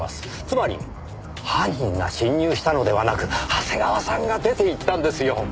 つまり犯人が侵入したのではなく長谷川さんが出ていったんですよ！